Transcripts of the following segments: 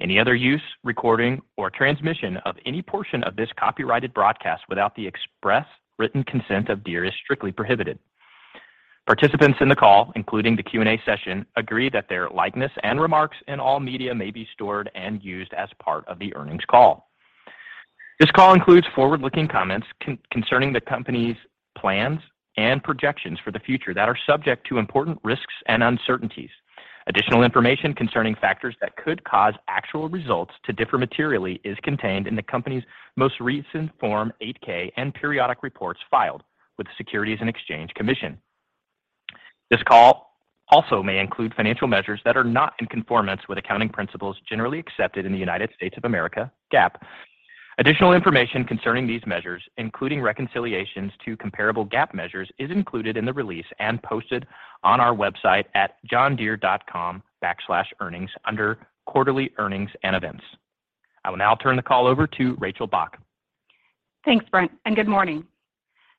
Any other use, recording, or transmission of any portion of this copyrighted broadcast without the express written consent of Deere is strictly prohibited. Participants in the call, including the Q&A session, agree that their likeness and remarks in all media may be stored and used as part of the earnings call. This call includes forward-looking comments concerning the company's plans and projections for the future that are subject to important risks and uncertainties. Additional information concerning factors that could cause actual results to differ materially is contained in the company's most recent Form 8-K and periodic reports filed with the Securities and Exchange Commission. This call also may include financial measures that are not in conformance with accounting principles generally accepted in the United States of America, GAAP. Additional information concerning these measures, including reconciliations to comparable GAAP measures, is included in the release and posted on our website at johndeere.com/earnings under Quarterly Earnings and Events. I will now turn the call over to Rachel Bach. Thanks, Brent. Good morning.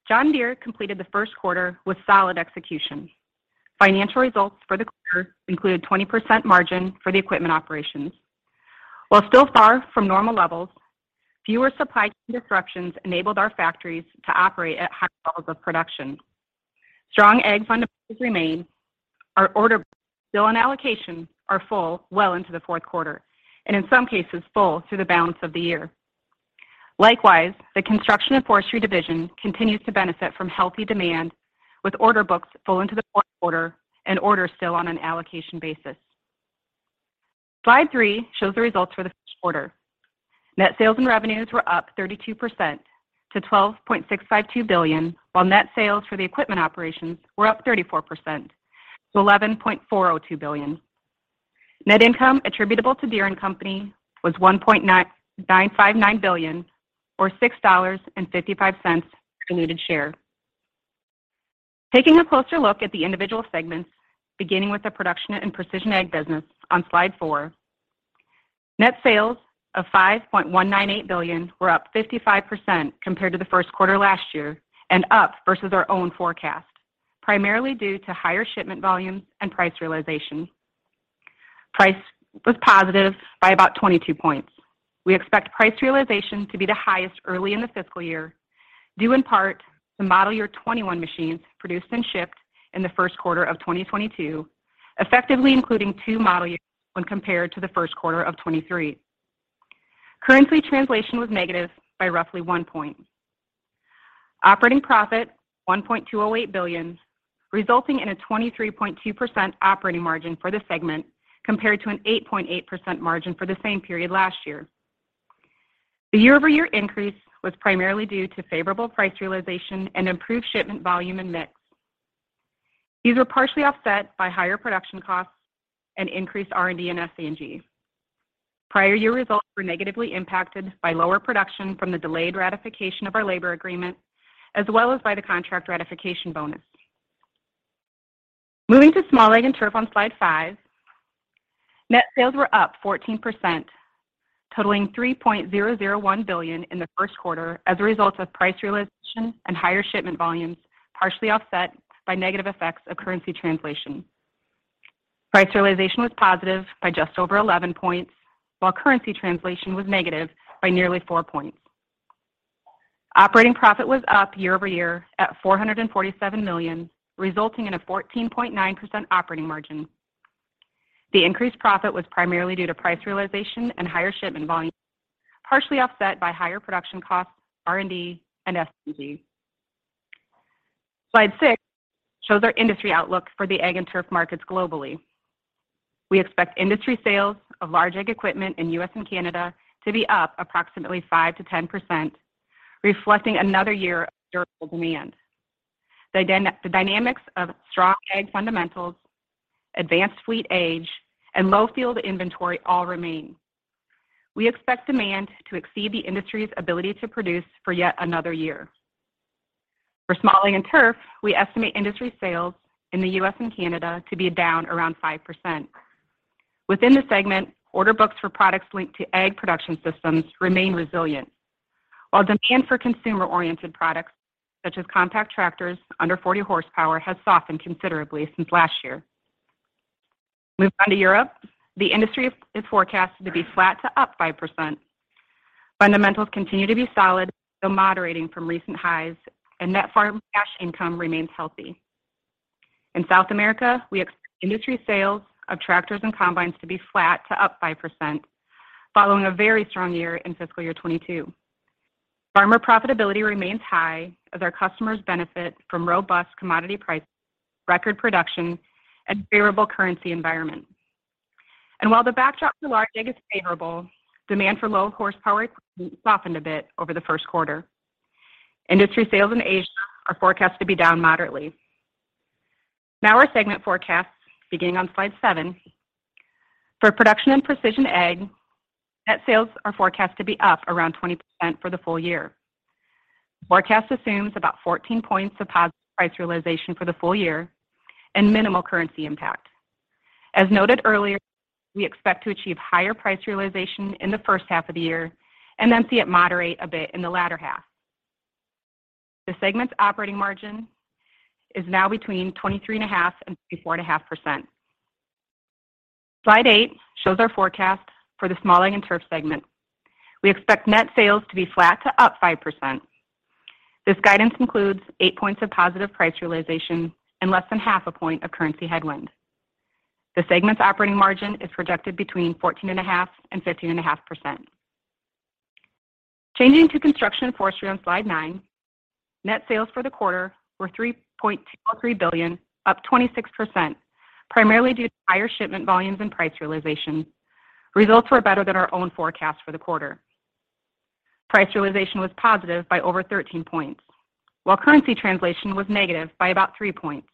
John Deere completed the first quarter with solid execution. Financial results for the quarter included 20% margin for the equipment operations. While still far from normal levels, fewer supply chain disruptions enabled our factories to operate at high levels of production. Strong ag fundamentals remain. Our order books still on allocation are full well into the fourth quarter, and in some cases full through the balance of the year. Likewise, the Construction and Forestry division continues to benefit from healthy demand with order books full into the fourth quarter and orders still on an allocation basis. Slide 3 shows the results for the first quarter. Net sales and revenues were up 32% to $12.652 billion, while net sales for the equipment operations were up 34% to $11.42 billion. Net income attributable to Deere & Company was $1.959 billion or $6.55 per diluted share. Taking a closer look at the individual segments, beginning with the Production and Precision Ag business on Slide 4. Net sales of $5.198 billion were up 55% compared to the first quarter last year and up versus our own forecast, primarily due to higher shipment volumes and price realization. Price was positive by about 22 points. We expect price realization to be the highest early in the fiscal year, due in part to model year 2021 machines produced and shipped in the first quarter of 2022, effectively including two model years when compared to the first quarter of '23. Currency translation was negative by roughly 1 point. Operating profit, $1.208 billion, resulting in a 23.2% operating margin for the segment compared to an 8.8% margin for the same period last year. The year-over-year increase was primarily due to favorable price realization and improved shipment volume and mix. These were partially offset by higher production costs and increased R&D and SG&A. Prior year results were negatively impacted by lower production from the delayed ratification of our labor agreement as well as by the contract ratification bonus. Moving to Small Ag & Turf on Slide 5. Net sales were up 14%, totaling $3.001 billion in the first quarter as a result of price realization and higher shipment volumes, partially offset by negative effects of currency translation. Price realization was positive by just over 11 points, while currency translation was negative by nearly four points. Operating profit was up year-over-year at $447 million, resulting in a 14.9% operating margin. The increased profit was primarily due to price realization and higher shipment volume, partially offset by higher production costs, R&D, and SG&A. Slide six shows our industry outlook for the ag and turf markets globally. We expect industry sales of large ag equipment in U.S. and Canada to be up approximately 5%-10%, reflecting another year of durable demand. The dynamics of strong ag fundamentals, advanced fleet age, and low field inventory all remain. We expect demand to exceed the industry's ability to produce for yet another year. For Small Ag & Turf, we estimate industry sales in the U.S. and Canada to be down around 5%. Within the segment, order books for products linked to ag production systems remain resilient, while demand for consumer-oriented products, such as compact tractors under 40 horsepower, has softened considerably since last year. Moving on to Europe, the industry is forecasted to be flat to up 5%. Net farm cash income remains healthy. In South America, we expect industry sales of tractors and combines to be flat to up 5% following a very strong year in fiscal year 2022. Farmer profitability remains high as our customers benefit from robust commodity prices, record production, and favorable currency environment. While the backdrop to large ag is favorable, demand for low-horsepower equipment softened a bit over the first quarter. Industry sales in Asia are forecast to be down moderately. Our segment forecasts beginning on Slide 7. For Production and Precision Ag, net sales are forecast to be up around 20% for the full year. Forecast assumes about 14 points of positive price realization for the full year and minimal currency impact. As noted earlier, we expect to achieve higher price realization in the first half of the year and then see it moderate a bit in the latter half. The segment's operating margin is now between 23.5% and 24.5%. Slide 8 shows our forecast for the Small Ag & Turf segment. We expect net sales to be flat to up 5%. This guidance includes eight points of positive price realization and less than half a point of currency headwind. The segment's operating margin is projected between 14.5% and 15.5%. Changing to Construction and Forestry on Slide 9, net sales for the quarter were $3.23 billion, up 26%, primarily due to higher shipment volumes and price realization. Results were better than our own forecast for the quarter. Price realization was positive by over 13 points, while currency translation was negative by about three points.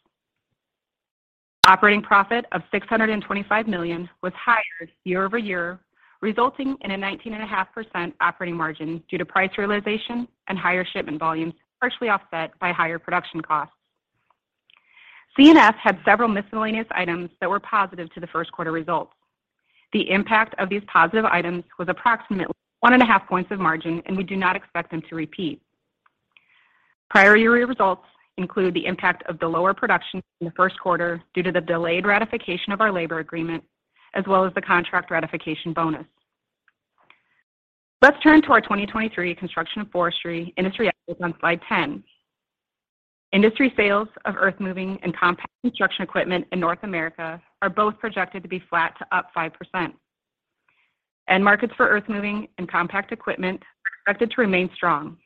Operating profit of $625 million was higher year-over-year, resulting in a 19.5% operating margin due to price realization and higher shipment volumes, partially offset by higher production costs. C&F had several miscellaneous items that were positive to the first quarter results. The impact of these positive items was approximately 1.5 points of margin. We do not expect them to repeat. Prior year results include the impact of the lower production in the first quarter due to the delayed ratification of our labor agreement, as well as the contract ratification bonus. Let's turn to our 2023 Construction and Forestry industry outlook on Slide 10. Industry sales of earthmoving and compact construction equipment in North America are both projected to be flat to up 5%. End markets for earthmoving and compact equipment are projected to remain strong.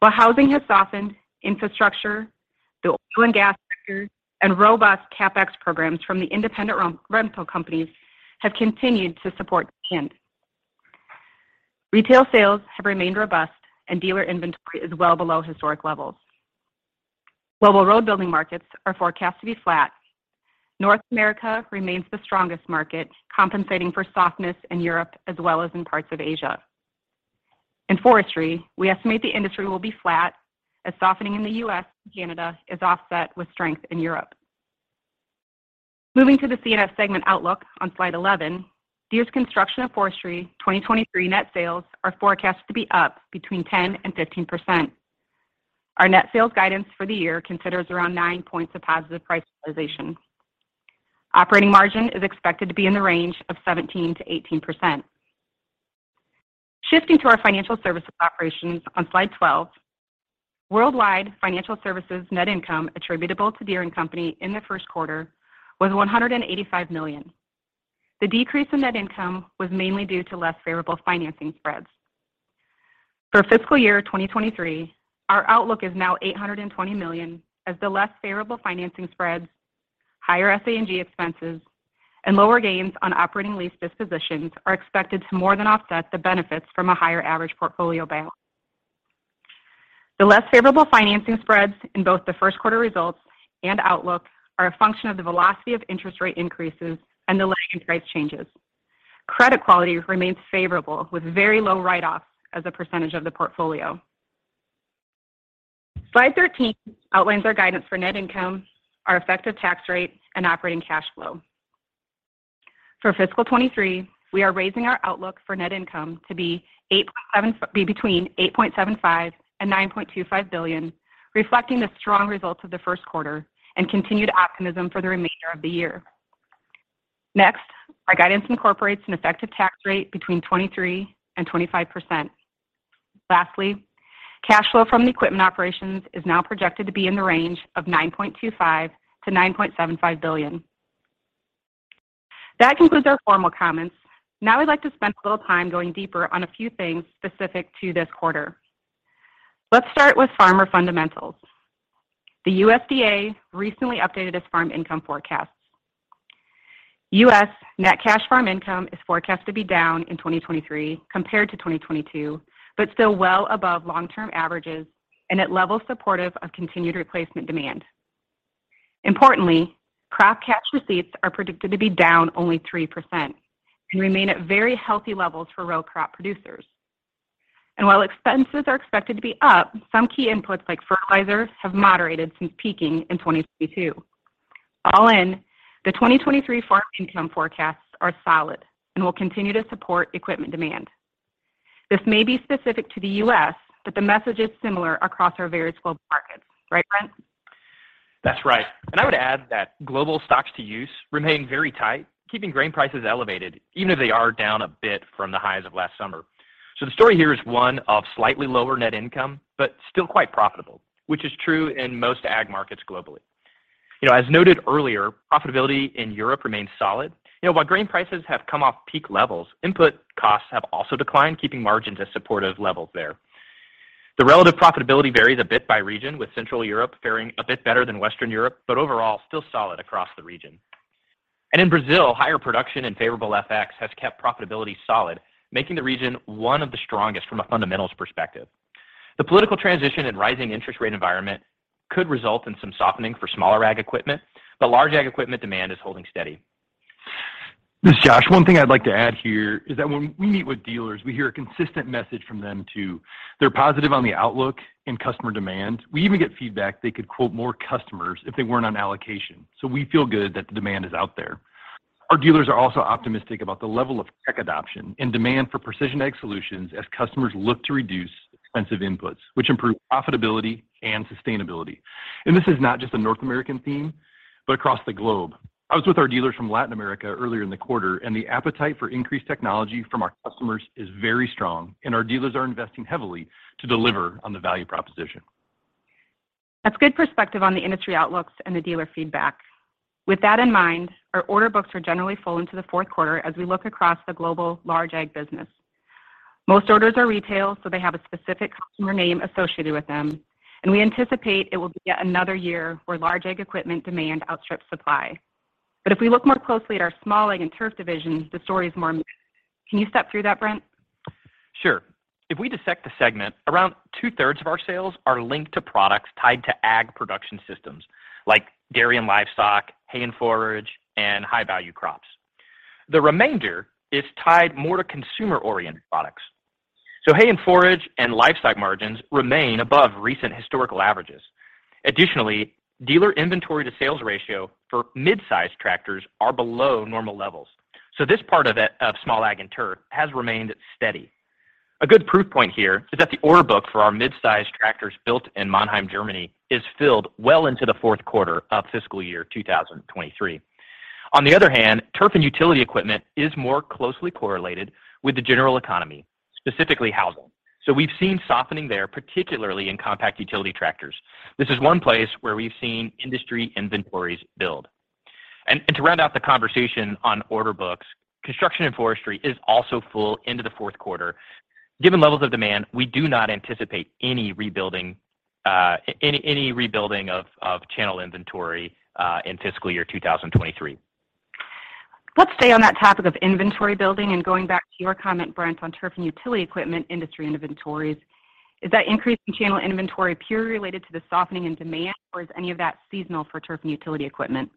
While housing has softened, infrastructure, the oil and gas sector, and robust CapEx programs from the independent rental companies have continued to support demand. Retail sales have remained robust and dealer inventory is well below historic levels. Global road building markets are forecast to be flat. North America remains the strongest market, compensating for softness in Europe as well as in parts of Asia. In forestry, we estimate the industry will be flat as softening in the U.S. and Canada is offset with strength in Europe. Moving to the C&F segment outlook on Slide 11, Deere's Construction and Forestry 2023 net sales are forecast to be up between 10%-15%. Our net sales guidance for the year considers around nine points of positive price realization. Operating margin is expected to be in the range of 17%-18%. Shifting to our Financial Services operations on Slide 12, worldwide Financial Services net income attributable to Deere & Company in the first quarter was $185 million. The decrease in net income was mainly due to less favorable financing spreads. For fiscal year 2023, our outlook is now $820 million as the less favorable financing spreads, higher SA&G expenses, and lower gains on operating lease dispositions are expected to more than offset the benefits from a higher average portfolio balance. The less favorable financing spreads in both the first quarter results and outlook are a function of the velocity of interest rate increases and the lag in price changes. Credit quality remains favorable with very low write-offs as a percentage of the portfolio. Slide 13 outlines our guidance for net income, our effective tax rate, and operating cash flow. For fiscal 2023, we are raising our outlook for net income to be between $8.75 billion and $9.25 billion, reflecting the strong results of the first quarter and continued optimism for the remainder of the year. Next, our guidance incorporates an effective tax rate between 23% and 25%. Lastly, cash flow from the equipment operations is now projected to be in the range of $9.25 billion-$9.75 billion. That concludes our formal comments. Now, we'd like to spend a little time going deeper on a few things specific to this quarter. Let's start with farmer fundamentals. The USDA recently updated its farm income forecasts. U.S. net cash farm income is forecast to be down in 2023 compared to 2022, but still well above long-term averages and at levels supportive of continued replacement demand. Importantly, crop cash receipts are predicted to be down only 3% and remain at very healthy levels for row crop producers. While expenses are expected to be up, some key inputs like fertilizers have moderated since peaking in 2022. All in, the 2023 farm income forecasts are solid and will continue to support equipment demand. This may be specific to the U.S., but the message is similar across our various global markets. Right, Brent? That's right. I would add that global stocks-to-use remain very tight, keeping grain prices elevated, even if they are down a bit from the highs of last summer. The story here is one of slightly lower net income, but still quite profitable, which is true in most ag markets globally. As noted earlier, profitability in Europe remains solid. While grain prices have come off peak levels, input costs have also declined, keeping margins at supportive levels there. The relative profitability varies a bit by region, with Central Europe faring a bit better than Western Europe, but overall still solid across the region. In Brazil, higher production and favorable FX has kept profitability solid, making the region one of the strongest from a fundamentals perspective. The political transition and rising interest rate environment could result in some softening for smaller ag equipment, but large ag equipment demand is holding steady. This is Joshua. One thing I'd like to add here is that when we meet with dealers, we hear a consistent message from them, too. They're positive on the outlook in customer demand. We even get feedback they could quote more customers if they weren't on allocation. We feel good that the demand is out there. Our dealers are also optimistic about the level of tech adoption and demand for precision ag solutions as customers look to reduce expensive inputs, which improve profitability and sustainability. This is not just a North American theme, but across the globe. I was with our dealers from Latin America earlier in the quarter. The appetite for increased technology from our customers is very strong. Our dealers are investing heavily to deliver on the value proposition. That's good perspective on the industry outlooks and the dealer feedback. With that in mind, our order books are generally full into the 4th quarter as we look across the global large ag business. Most orders are retail, so they have a specific customer name associated with them, and we anticipate it will be yet another year where large ag equipment demand outstrips supply. If we look more closely at our Small Ag & Turf divisions, the story is more mixed. Can you step through that, Brent? Sure. If we dissect the segment, around two-thirds of our sales are linked to products tied to ag production systems like dairy and livestock, hay and forage, and high-value crops. The remainder is tied more to consumer-oriented products. Hay and forage and livestock margins remain above recent historical averages. Additionally, dealer inventory-to-sales ratio for mid-size tractors are below normal levels. This part of it, of Small Ag & Turf has remained steady. A good proof point here is that the order book for our mid-size tractors built in Mannheim, Germany is filled well into the fourth quarter of fiscal year 2023. On the other hand, turf and utility equipment is more closely correlated with the general economy, specifically housing. We've seen softening there, particularly in compact utility tractors. This is one place where we've seen industry inventories build. To round out the conversation on order books, Construction and Forestry is also full into the fourth quarter. Given levels of demand, we do not anticipate any rebuilding of channel inventory in fiscal year 2023. Let's stay on that topic of inventory building and going back to your comment, Brent, on turf and utility equipment industry inventories. Is that increase in channel inventory purely related to the softening in demand, or is any of that seasonal for turf and utility equipment?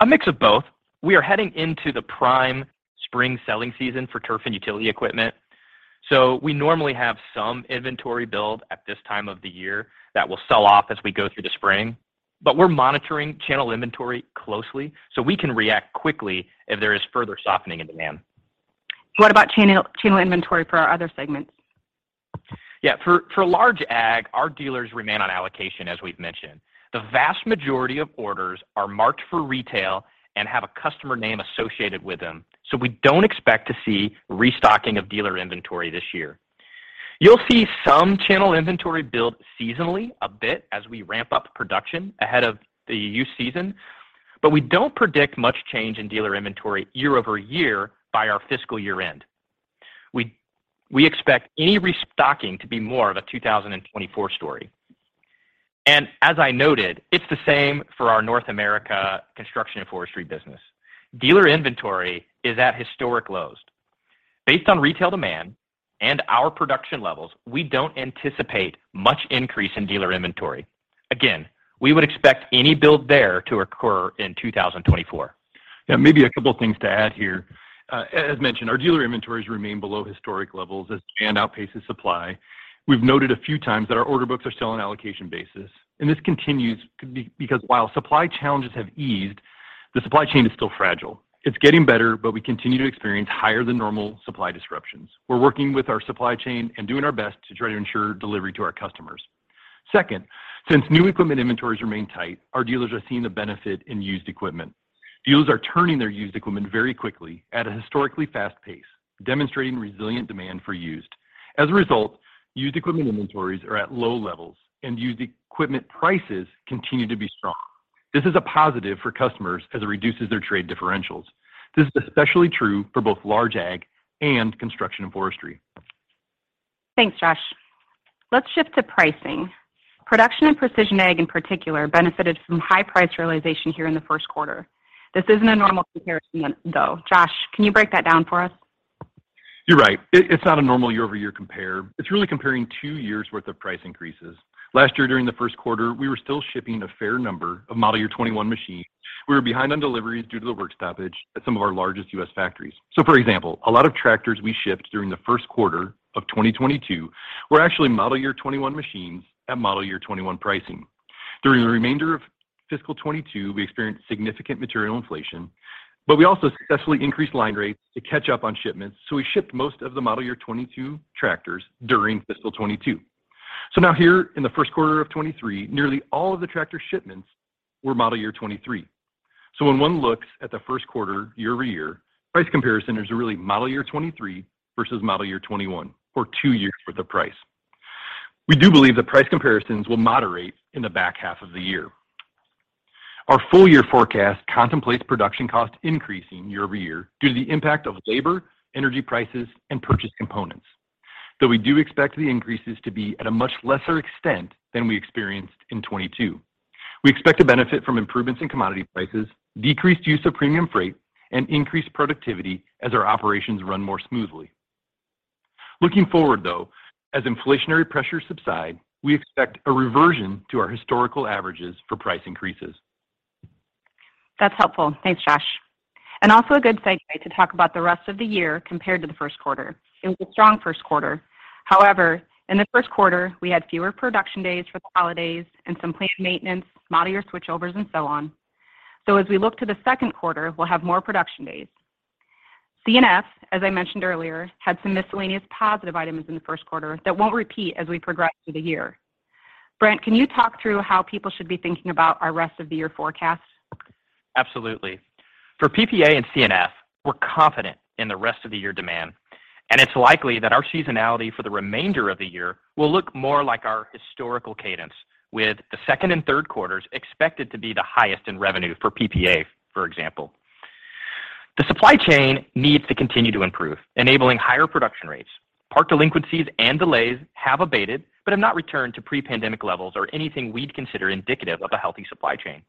A mix of both. We are heading into the prime spring selling season for turf and utility equipment. We normally have some inventory build at this time of the year that will sell off as we go through the spring. We're monitoring channel inventory closely, so we can react quickly if there is further softening in demand. What about channel inventory for our other segments? Yeah. For large ag, our dealers remain on allocation, as we've mentioned. The vast majority of orders are marked for retail and have a customer name associated with them, so we don't expect to see restocking of dealer inventory this year. You'll see some channel inventory build seasonally a bit as we ramp up production ahead of the use season, but we don't predict much change in dealer inventory year-over-year by our fiscal year end. We expect any restocking to be more of a 2024 story. As I noted, it's the same for our North America Construction and Forestry business. Dealer inventory is at historic lows. Based on retail demand and our production levels, we don't anticipate much increase in dealer inventory. Again, we would expect any build there to occur in 2024. Yeah. Maybe two things to add here. As mentioned, our dealer inventories remain below historic levels as demand outpaces supply. We've noted a few times that our order books are still on allocation basis, because while supply challenges have eased, the supply chain is still fragile. It's getting better, we continue to experience higher than normal supply disruptions. We're working with our supply chain doing our best to try to ensure delivery to our customers. Second, since new equipment inventories remain tight, our dealers are seeing the benefit in used equipment. Dealers are turning their used equipment very quickly at a historically fast pace, demonstrating resilient demand for used. As a result, used equipment inventories are at low levels and used equipment prices continue to be strong. This is a positive for customers as it reduces their trade differentials. This is especially true for both large ag and construction and forestry. Thanks, Joshua. Let's shift to pricing. Production and Precision Ag in particular benefited from high price realization here in the first quarter. This isn't a normal comparison though. Joshua, can you break that down for us? You're right. It's not a normal year-over-year compare. It's really comparing two years' worth of price increases. Last year during the first quarter, we were still shipping a fair number of model year 2021 machines. We were behind on deliveries due to the work stoppage at some of our largest U.S. factories. For example, a lot of tractors we shipped during the first quarter of 2022 were actually model year 2021 machines at model year 2021 pricing. During the remainder of fiscal 2022, we experienced significant material inflation. We also successfully increased line rates to catch up on shipments. We shipped most of the model year 2022 tractors during fiscal 2022. Now here in the first quarter of 2023, nearly all of the tractor shipments were model year 2023. When one looks at the first quarter year-over-year, price comparison is really model year 2023 versus model year 2021 or two years' worth of price. We do believe the price comparisons will moderate in the back half of the year. Our full year forecast contemplates production costs increasing year-over-year due to the impact of labor, energy prices, and purchased components. Though we do expect the increases to be at a much lesser extent than we experienced in 2022. We expect to benefit from improvements in commodity prices, decreased use of premium freight, and increased productivity as our operations run more smoothly. Looking forward, though, as inflationary pressures subside, we expect a reversion to our historical averages for price increases. That's helpful. Thanks, Joshua. Also a good segue to talk about the rest of the year compared to the first quarter. It was a strong first quarter. However, in the first quarter, we had fewer production days for the holidays and some plant maintenance, model year switchovers, and so on. As we look to the second quarter, we'll have more production days. C&F, as I mentioned earlier, had some miscellaneous positive items in the first quarter that won't repeat as we progress through the year. Brent, can you talk through how people should be thinking about our rest of the year forecast? Absolutely. For PPA and C&F, we're confident in the rest of the year demand, and it's likely that our seasonality for the remainder of the year will look more like our historical cadence, with the second and third quarters expected to be the highest in revenue for PPA, for example. The supply chain needs to continue to improve, enabling higher production rates. Part delinquencies and delays have abated but have not returned to pre-pandemic levels or anything we'd consider indicative of a healthy supply chain.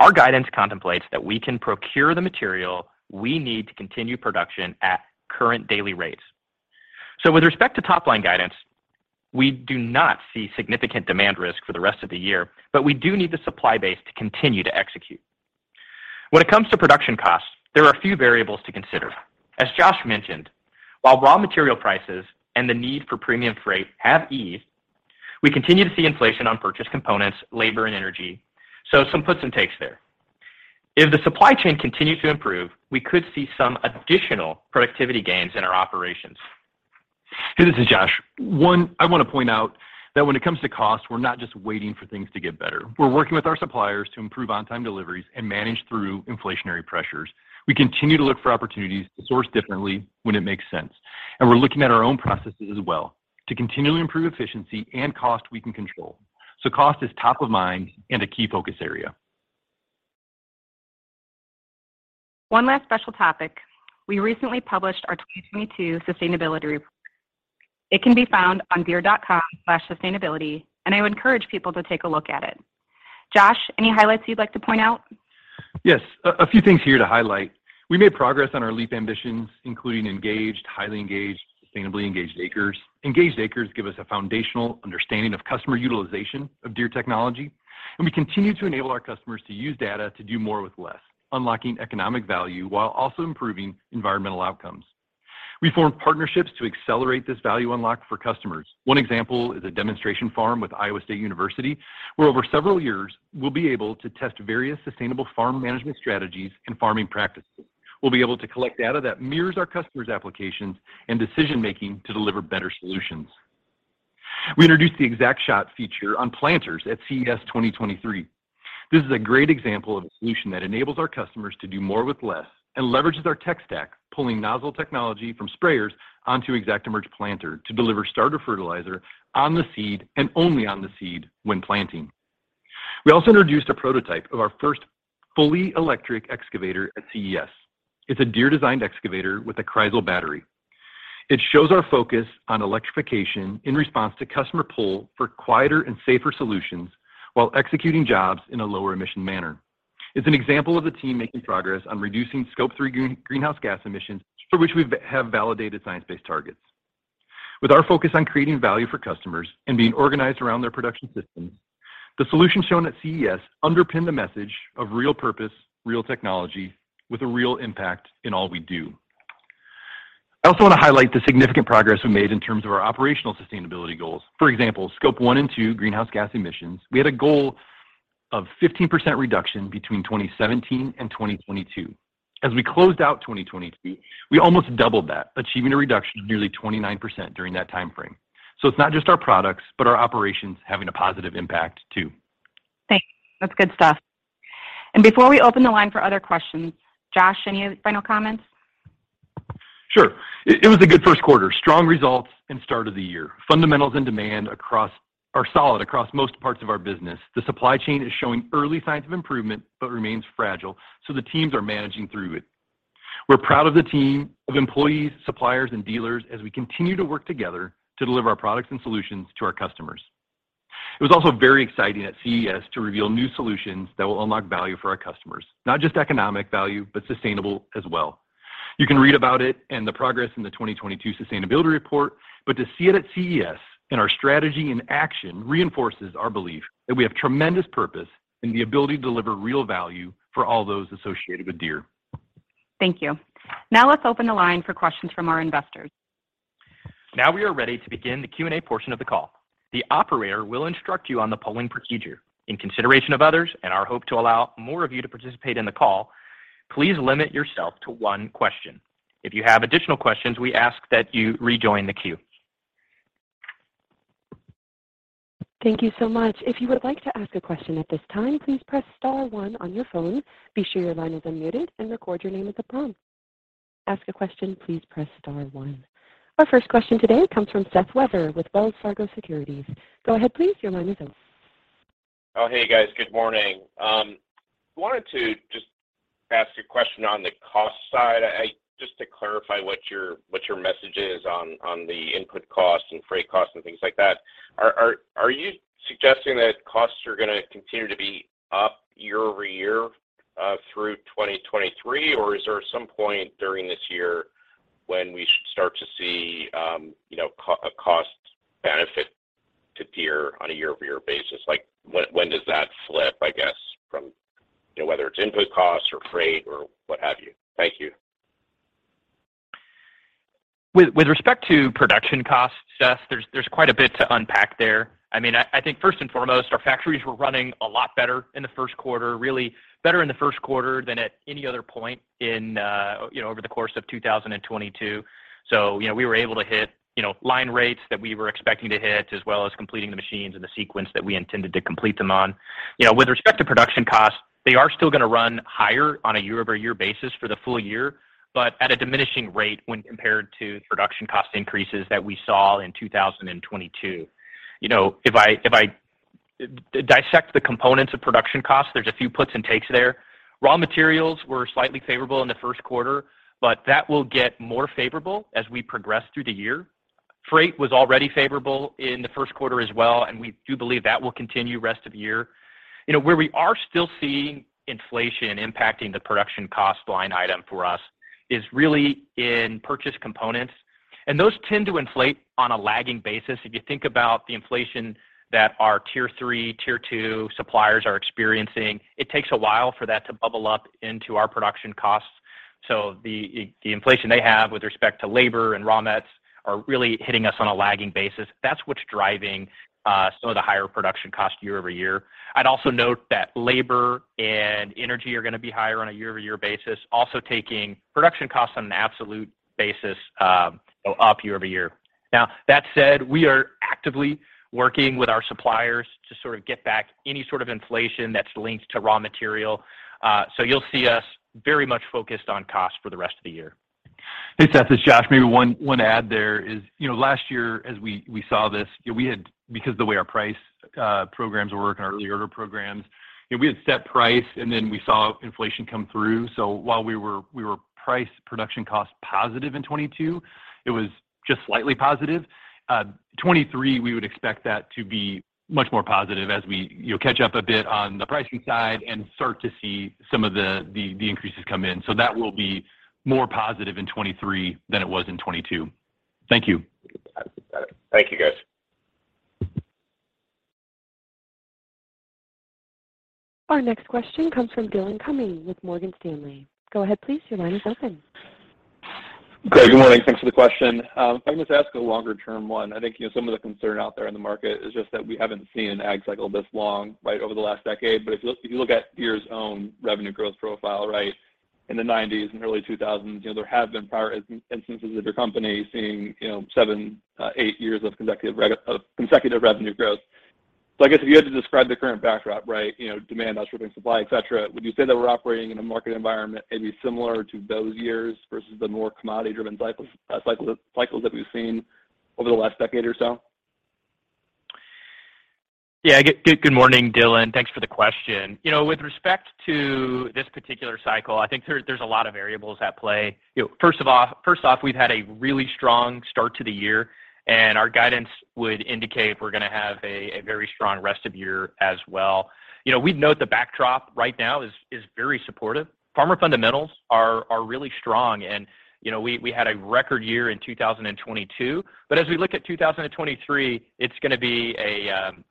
Our guidance contemplates that we can procure the material we need to continue production at current daily rates. With respect to top-line guidance, we do not see significant demand risk for the rest of the year, but we do need the supply base to continue to execute. When it comes to production costs, there are a few variables to consider. As Joshua mentioned, while raw material prices and the need for premium freight have eased, we continue to see inflation on purchased components, labor, and energy, so some puts and takes there. If the supply chain continues to improve, we could see some additional productivity gains in our operations. Hey, this is Joshua. One, I wanna point out that when it comes to cost, we're not just waiting for things to get better. We're working with our suppliers to improve on-time deliveries and manage through inflationary pressures. We continue to look for opportunities to source differently when it makes sense, and we're looking at our own processes as well to continually improve efficiency and cost we can control. Cost is top of mind and a key focus area. One last special topic. We recently published our 2022 sustainability report. It can be found on deere.com/sustainability, and I would encourage people to take a look at it. Joshua, any highlights you'd like to point out? Yes. A few things here to highlight. We made progress on our LEAP ambitions, including engaged, highly engaged, sustainably engaged acres. Engaged acres give us a foundational understanding of customer utilization of Deere technology, and we continue to enable our customers to use data to do more with less, unlocking economic value while also improving environmental outcomes. We formed partnerships to accelerate this value unlock for customers. One example is a demonstration farm with Iowa State University, where over several years we'll be able to test various sustainable farm management strategies and farming practices. We'll be able to collect data that mirrors our customers' applications and decision-making to deliver better solutions. We introduced the ExactShot feature on planters at CES 2023. This is a great example of a solution that enables our customers to do more with less and leverages our tech stack, pulling nozzle technology from sprayers onto ExactEmerge planter to deliver starter fertilizer on the seed and only on the seed when planting. We also introduced a prototype of our first fully electric excavator at CES. It's a Deere-designed excavator with a Kreisel battery. It shows our focus on electrification in response to customer pull for quieter and safer solutions while executing jobs in a lower-emission manner. It's an example of the team making progress on reducing Scope 3 greenhouse gas emissions, for which we've validated Science Based Targets. With our focus on creating value for customers and being organized around their production systems, the solutions shown at CES underpin the message of real purpose, real technology with a real impact in all we do. I also wanna highlight the significant progress we made in terms of our operational sustainability goals. For example, Scope 1 and Scope 2 greenhouse gas emissions. We had a goal of 15% reduction between 2017 and 2022. As we closed out 2022, we almost doubled that, achieving a reduction of nearly 29% during that timeframe. It's not just our products, but our operations having a positive impact too. Thanks. That's good stuff. Before we open the line for other questions, Joshua, any final comments? Sure. It was a good first quarter. Strong results and start of the year. Fundamentals and demand across are solid across most parts of our business. The supply chain is showing early signs of improvement but remains fragile, so the teams are managing through it. We're proud of the team of employees, suppliers, and dealers as we continue to work together to deliver our products and solutions to our customers. It was also very exciting at CES to reveal new solutions that will unlock value for our customers, not just economic value, but sustainable as well. You can read about it and the progress in the 2022 sustainability report, but to see it at CES and our strategy in action reinforces our belief that we have tremendous purpose and the ability to deliver real value for all those associated with Deere. Thank you. Let's open the line for questions from our investors. Now we are ready to begin the Q&A portion of the call. The operator will instruct you on the polling procedure. In consideration of others and our hope to allow more of you to participate in the call, please limit yourself to one question. If you have additional questions, we ask that you rejoin the queue. Thank you so much. If you would like to ask a question at this time, please press star one on your phone. Be sure your line is unmuted and record your name at the prompt. To ask a question, please press star one. Our first question today comes from Seth Weber with Wells Fargo Securities. Go ahead, please. Your line is open. Hey, guys. Good morning. wanted to just ask a question on the cost side. I, just to clarify what your message is on the input costs and freight costs and things like that. Are you suggesting that costs are gonna continue to be up year-over-year, through 2023? Or is there some point during this year when we should start to see, you know, costs on a year-over-year basis, like when does that flip, I guess, from, you know, whether it's input costs or freight or what have you? Thank you. With respect to production costs, Seth, there's quite a bit to unpack there. I mean, I think first and foremost, our factories were running a lot better in the first quarter, really better in the first quarter than at any other point in, you know, over the course of 2022. You know, we were able to hit, you know, line rates that we were expecting to hit, as well as completing the machines in the sequence that we intended to complete them on. You know, with respect to production costs, they are still gonna run higher on a year-over-year basis for the full year, but at a diminishing rate when compared to production cost increases that we saw in 2022. You know, if I dissect the components of production costs, there's a few puts and takes there. Raw materials were slightly favorable in the first quarter, but that will get more favorable as we progress through the year. Freight was already favorable in the first quarter as well, and we do believe that will continue rest of year. You know, where we are still seeing inflation impacting the production cost line item for us is really in purchase components. Those tend to inflate on a lagging basis. If you think about the inflation that our Tier 3, Tier 2 suppliers are experiencing, it takes a while for that to bubble up into our production costs. The inflation they have with respect to labor and raw mats are really hitting us on a lagging basis. That's what's driving some of the higher production cost year-over-year. I'd also note that labor and energy are gonna be higher on a year-over-year basis, also taking production costs on an absolute basis, up year-over-year. That said, we are actively working with our suppliers to sort of get back any sort of inflation that's linked to raw material. You'll see us very much focused on cost for the rest of the year. Hey, Seth, it's Joshua. Maybe one add there is, you know, last year as we saw this, you know, because the way our price programs work and our Early Order Programs, you know, we had set price and then we saw inflation come through. While we were price production cost positive in 2022, it was just slightly positive. 2023, we would expect that to be much more positive as we, you know, catch up a bit on the pricing side and start to see some of the increases come in. That will be more positive in 2023 than it was in 2022. Thank you. Thank you, guys. Our next question comes from Dillon Cumming with Morgan Stanley. Go ahead please. Your line is open. Greg, good morning. Thanks for the question. If I can just ask a longer term one. I think, you know, some of the concern out there in the market is just that we haven't seen an ag cycle this long, right, over the last decade. If you look, if you look at Deere's own revenue growth profile, right, in the nineties and early two thousands, you know, there have been prior instances of your company seeing, you know, seven, eight years of consecutive revenue growth. I guess if you had to describe the current backdrop, right, you know, demand outstripping supply, et cetera, would you say that we're operating in a market environment maybe similar to those years versus the more commodity-driven cycles that we've seen over the last decade or so? Yeah. Good morning, Dillon. Thanks for the question. You know, with respect to this particular cycle, I think there's a lot of variables at play. You know, first off, we've had a really strong start to the year, and our guidance would indicate we're gonna have a very strong rest of year as well. You know, we'd note the backdrop right now is very supportive. Farmer fundamentals are really strong. You know, we had a record year in 2022. As we look at 2023, it's gonna be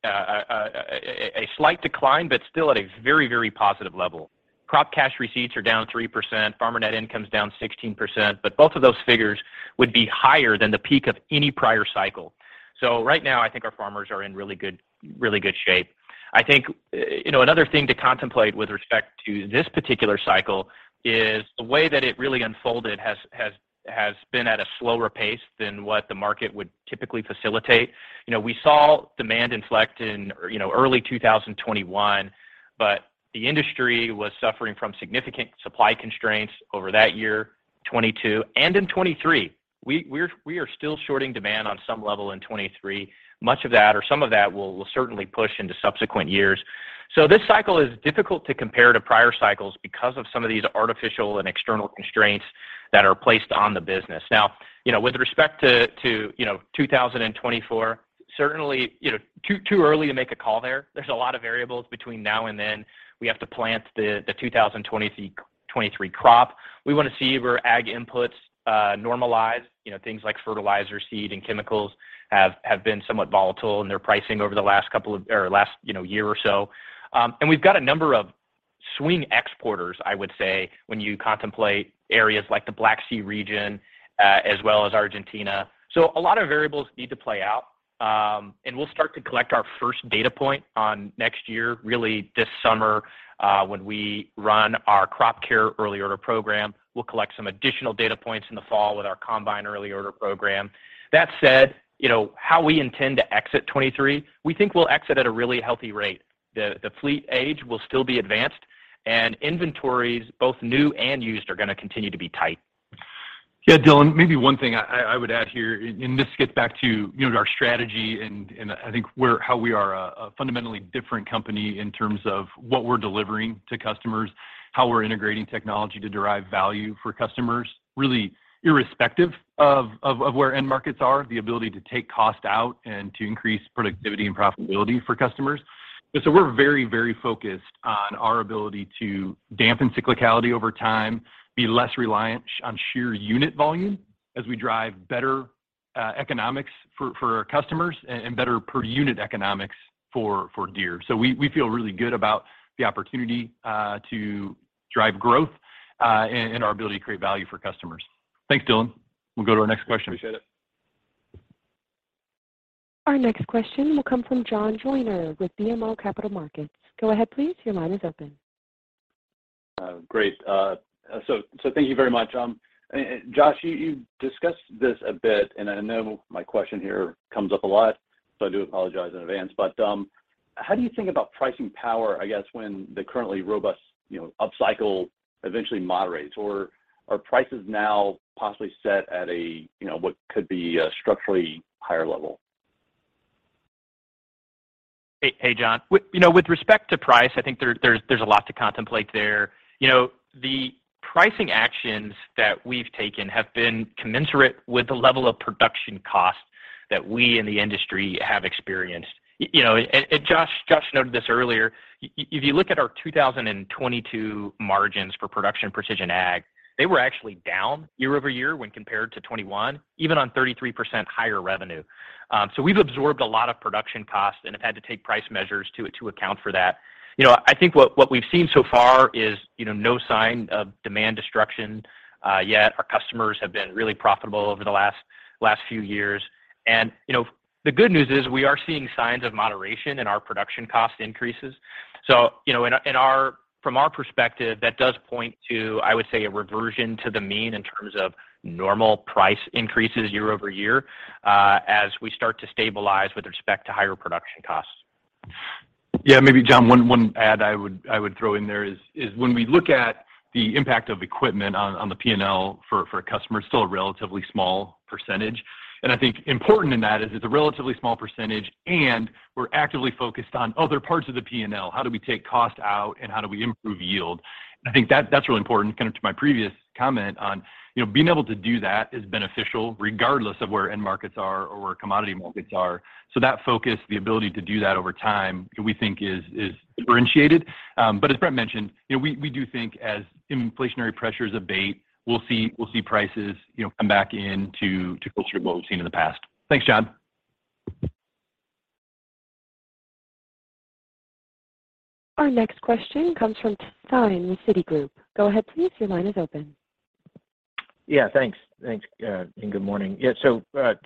a slight decline, but still at a very, very positive level. Crop cash receipts are down 3%. Farmer net income's down 16%. Both of those figures would be higher than the peak of any prior cycle. Right now, I think our farmers are in really good, really good shape. I think, you know, another thing to contemplate with respect to this particular cycle is the way that it really unfolded has been at a slower pace than what the market would typically facilitate. You know, we saw demand inflect in, you know, early 2021, but the industry was suffering from significant supply constraints over that year, 2022, and in 2023. We are still shorting demand on some level in 2023. Much of that or some of that will certainly push into subsequent years. This cycle is difficult to compare to prior cycles because of some of these artificial and external constraints that are placed on the business. Now, you know, with respect to, you know, 2024, certainly, you know, too early to make a call there. There's a lot of variables between now and then. We have to plant the 2023 crop. We wanna see where ag inputs normalize. You know, things like fertilizer, seed, and chemicals have been somewhat volatile in their pricing over the last, you know, year or so. We've got a number of swing exporters, I would say, when you contemplate areas like the Black Sea region, as well as Argentina. A lot of variables need to play out, and we'll start to collect our first data point on next year, really this summer, when we run our crop care Early Order Program. We'll collect some additional data points in the fall with our combine Early Order Program. That said, you know, how we intend to exit 2023, we think we'll exit at a really healthy rate. The fleet age will still be advanced and inventories, both new and used, are gonna continue to be tight. Yeah, Dillon, maybe one thing I would add here. This gets back to, you know, our strategy and I think how we are a fundamentally different company in terms of what we're delivering to customers, how we're integrating technology to derive value for customers, really irrespective of where end markets are, the ability to take cost out and to increase productivity and profitability for customers. So we're very, very focused on our ability to dampen cyclicality over time, be less reliant on sheer unit volume as we drive better economics for our customers and better per unit economics for Deere. We feel really good about the opportunity to drive growth and our ability to create value for customers. Thanks, Dillon. We'll go to our next question. Appreciate it. Our next question will come from John Joyner with BMO Capital Markets. Go ahead please. Your line is open. Great. Thank you very much. Joshua, you discussed this a bit, and I know my question here comes up a lot, so I do apologize in advance. How do you think about pricing power, I guess, when the currently robust, you know, upcycle eventually moderates? Are prices now possibly set at a, you know, what could be a structurally higher level? Hey, hey, John. With, you know, with respect to price, I think there's a lot to contemplate there. You know, the pricing actions that we've taken have been commensurate with the level of production costs that we in the industry have experienced. You know, Joshua noted this earlier, if you look at our 2022 margins for Production and Precision Ag, they were actually down year-over-year when compared to 2021, even on 33% higher revenue. We've absorbed a lot of production costs and have had to take price measures to account for that. You know, I think what we've seen so far is, you know, no sign of demand destruction yet. Our customers have been really profitable over the last few years. You know, the good news is we are seeing signs of moderation in our production cost increases. You know, from our perspective, that does point to, I would say, a reversion to the mean in terms of normal price increases year-over-year as we start to stabilize with respect to higher production costs. Yeah. Maybe John, one add I would throw in there is when we look at the impact of equipment on the PNL for a customer, it's still a relatively small percentage. I think important in that is it's a relatively small percentage, and we're actively focused on other parts of the PNL. How do we take cost out, and how do we improve yield? I think that's really important, kind of to my previous comment on, you know, being able to do that is beneficial regardless of where end markets are or where commodity markets are. That focus, the ability to do that over time, we think is differentiated. As Brent mentioned, you know, we do think as inflationary pressures abate, we'll see prices, you know, come back in to closer to what we've seen in the past. Thanks, John. Our next question comes from Tim Thein with Citigroup. Go ahead please. Your line is open. Thanks. Good morning.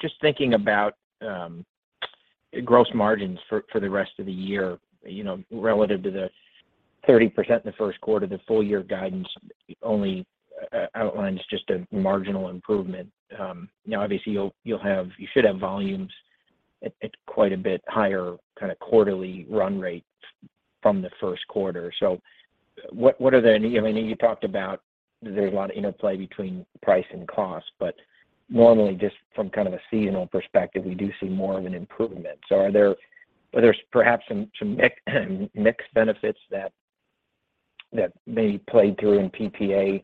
Just thinking about gross margins for the rest of the year. You know, relative to the 30% in the first quarter, the full year guidance only outlines just a marginal improvement. You know, obviously you should have volumes at quite a bit higher kind of quarterly run rates from the first quarter. What are the... You know, I mean, you talked about there's a lot of interplay between price and cost. Normally just from kind of a seasonal perspective, we do see more of an improvement. Are there perhaps some mix benefits that may play through in PPA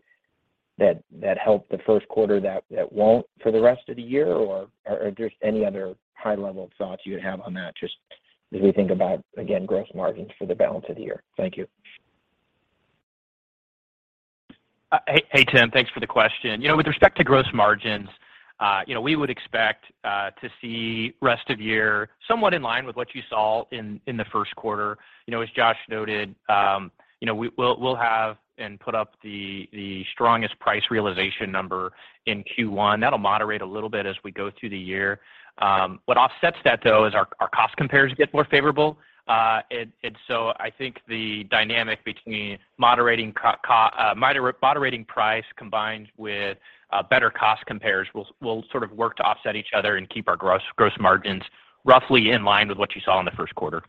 that help the first quarter that won't for the rest of the year, or are there any other high-level thoughts you would have on that, just as we think about, again, gross margins for the balance of the year? Thank you. Hey, hey, Tim. Thanks for the question. You know, with respect to gross margins, you know, we would expect to see rest of year somewhat in line with what you saw in the first quarter. You know, as Joshua noted, you know, we'll have and put up the strongest price realization number in Q1. That'll moderate a little bit as we go through the year. What offsets that though is our cost compares get more favorable. I think the dynamic between moderating price combined with better cost compares will sort of work to offset each other and keep our gross margins roughly in line with what you saw in the first quarter.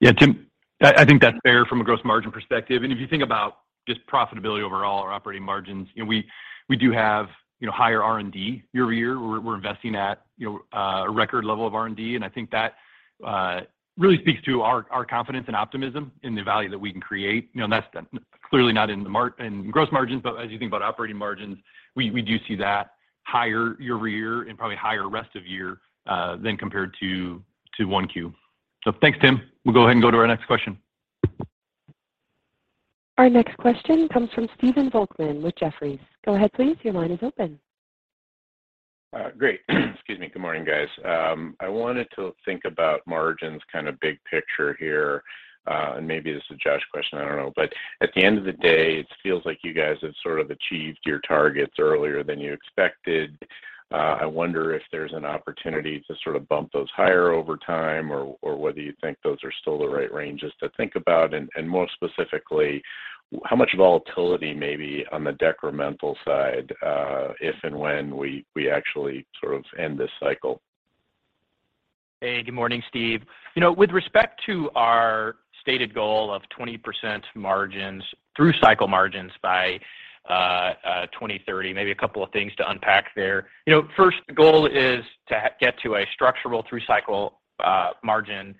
Yeah, Tim. I think that's fair from a gross margin perspective. If you think about just profitability overall or operating margins, you know, we do have, you know, higher R&D year-over-year. We're investing at, you know, a record level of R&D. I think that really speaks to our confidence and optimism in the value that we can create. You know, that's clearly not in the gross margins, but as you think about operating margins, we do see that higher year-over-year and probably higher rest of year than compared to 1Q. Thanks, Tim. We'll go ahead and go to our next question. Our next question comes from Stephen Volkmann with Jefferies. Go ahead please. Your line is open. Great. Excuse me. Good morning, guys. I wanted to think about margins kind of big picture here. Maybe this is a Joshua question, I don't know. At the end of the day, it feels like you guys have sort of achieved your targets earlier than you expected. I wonder if there's an opportunity to sort of bump those higher over time or, whether you think those are still the right ranges to think about. More specifically, how much volatility may be on the decremental side, if and when we actually sort of end this cycle? Hey, good morning, Steve. You know, with respect to our stated goal of 20% margins through cycle margins by 2030, maybe a couple of things to unpack there. You know, first goal is to get to a structural through cycle margin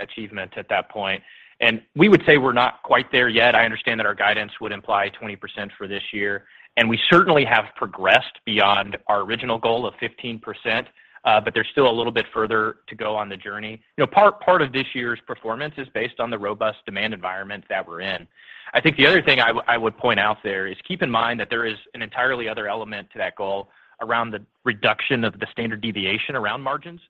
Achievement at that point. We would say we're not quite there yet. I understand that our guidance would imply 20% for this year, and we certainly have progressed beyond our original goal of 15%. There's still a little bit further to go on the journey. You know, part of this year's performance is based on the robust demand environment that we're in. I think the other thing I would point out there is keep in mind that there is an entirely other element to that goal around the reduction of the standard deviation around margins.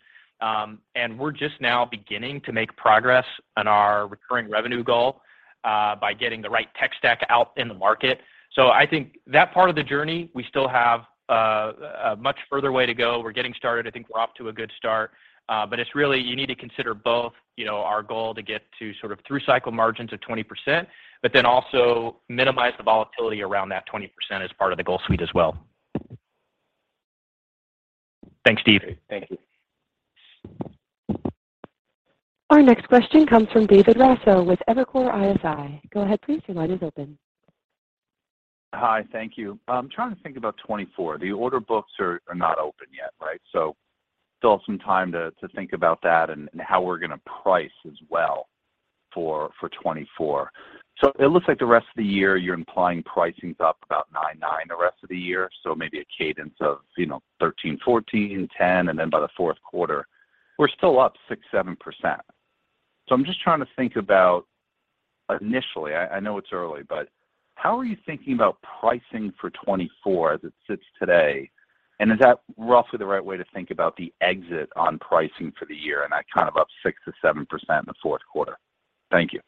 We're just now beginning to make progress on our recurring revenue goal by getting the right tech stack out in the market. I think that part of the journey, we still have a much further way to go. We're getting started. I think we're off to a good start, but it's really. You need to consider both, you know, our goal to get to sort of through cycle margins of 20%, but then also minimize the volatility around that 20% as part of the goal suite as well. Thanks, Steve. Thank you. Our next question comes from David Raso with Evercore ISI. Go ahead, please. Your line is open. Hi. Thank you. I'm trying to think about 2024. The order books are not open yet, right? Still some time to think about that and how we're gonna price as well for 2024. It looks like the rest of the year you're implying pricing's up about 9% the rest of the year. Maybe a cadence of, you know, 13%, 14%, 10%, and then by the fourth quarter, we're still up 6%-7%. I'm just trying to think about initially, I know it's early, but how are you thinking about pricing for 2024 as it sits today? And is that roughly the right way to think about the exit on pricing for the year and that kind of up 6%-7% in the fourth quarter? Thank you.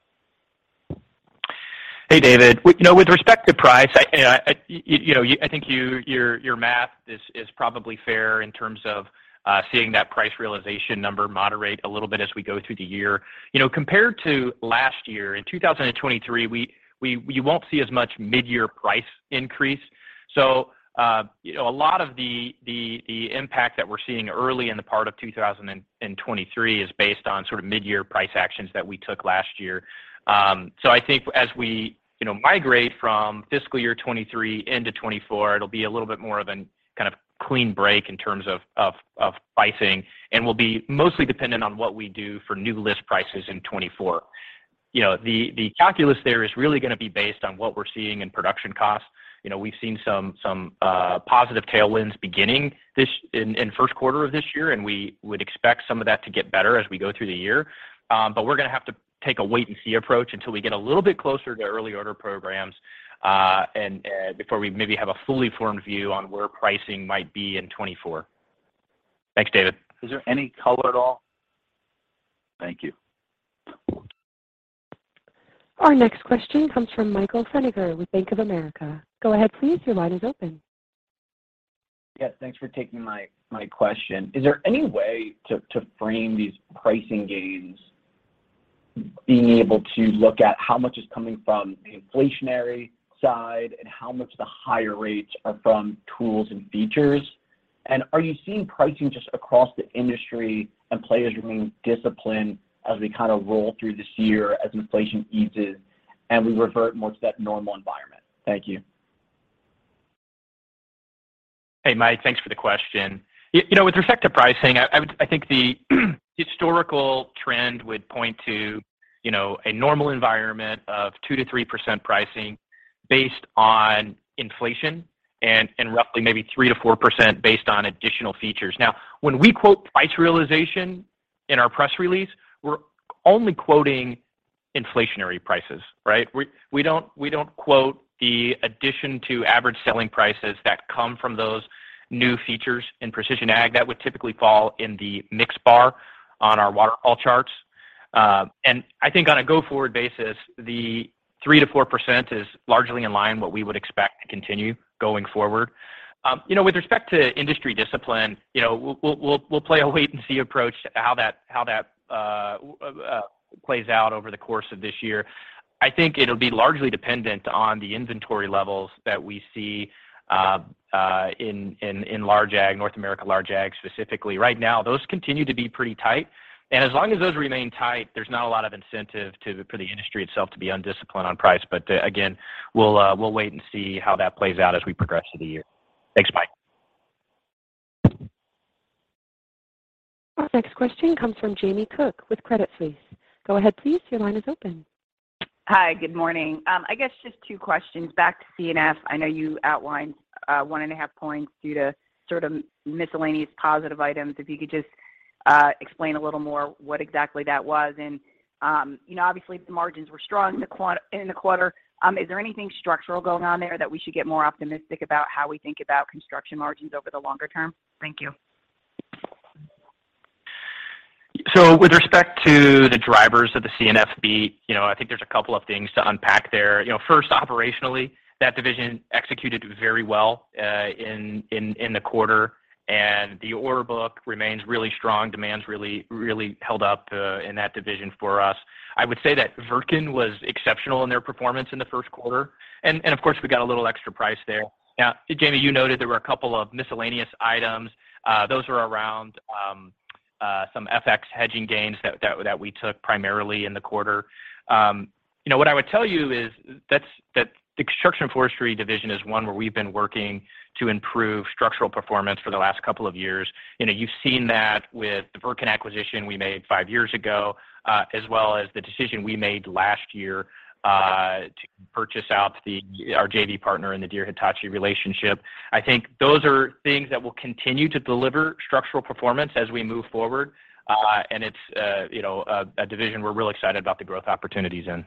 Hey, David. You know, with respect to price, I, you know, I think your math is probably fair in terms of seeing that price realization number moderate a little bit as we go through the year. You know, compared to last year, in 2023 we won't see as much midyear price increase. You know, a lot of the impact that we're seeing early in the part of 2023 is based on sort of midyear price actions that we took last year. I think as we, you know, migrate from fiscal year 2023 into 2024, it'll be a little bit more of an kind of clean break in terms of pricing, and we'll be mostly dependent on what we do for new list prices in 2024. You know, the calculus there is really gonna be based on what we're seeing in production costs. You know, we've seen some positive tailwinds in first quarter of this year, we would expect some of that to get better as we go through the year. We're gonna have to take a wait and see approach until we get a little bit closer to Early Order Programs, and before we maybe have a fully formed view on where pricing might be in 2024. Thanks, David. Is there any color at all? Thank you. Our next question comes from Michael Feniger with Bank of America. Go ahead please. Your line is open. Yes. Thanks for taking my question. Is there any way to frame these pricing gains being able to look at how much is coming from the inflationary side and how much the higher rates are from tools and features? Are you seeing pricing just across the industry and players remaining disciplined as we kind of roll through this year as inflation eases and we revert more to that normal environment? Thank you. Hey, Mike. Thanks for the question. you know, with respect to pricing, I think the historical trend would point to, you know, a normal environment of 2%-3% pricing based on inflation and roughly maybe 3%-4% based on additional features. Now, when we quote price realization in our press release, we're only quoting inflationary prices, right? We don't quote the addition to average selling prices that come from those new features in precision ag. That would typically fall in the mix bar on our waterfall charts. I think on a go-forward basis, the 3%-4% is largely in line what we would expect to continue going forward. You know, with respect to industry discipline, you know, we'll play a wait and see approach to how that plays out over the course of this year. I think it'll be largely dependent on the inventory levels that we see in large ag, North America large ag specifically. Right now, those continue to be pretty tight. As long as those remain tight, there's not a lot of incentive for the industry itself to be undisciplined on price. Again, we'll wait and see how that plays out as we progress through the year. Thanks, Mike. Our next question comes from Jamie Cook with Credit Suisse. Go ahead please. Your line is open. Hi. Good morning. I guess just two questions back to C&F. I know you outlined, 1.5 points due to sort of miscellaneous positive items. If you could just explain a little more what exactly that was. You know, obviously the margins were strong in the quarter. Is there anything structural going on there that we should get more optimistic about how we think about construction margins over the longer term? Thank you. With respect to the drivers of the C&F beat, you know, I think there's a couple of things to unpack there. You know, first, operationally, that division executed very well in the quarter, and the order book remains really strong. Demand's really, really held up in that division for us. I would say that Wirtgen was exceptional in their performance in the first quarter and of course, we got a little extra price there. Jamie, you noted there were a couple of miscellaneous items. Those were around Some FX hedging gains that we took primarily in the quarter. You know, what I would tell you is that Construction and Forestry division is one where we've been working to improve structural performance for the last couple of years. You know, you've seen that with the Wirtgen acquisition we made five years ago, as well as the decision we made last year, to purchase out our JV partner in the Deere-Hitachi relationship. I think those are things that will continue to deliver structural performance as we move forward, and it's, you know, a division we're really excited about the growth opportunities in.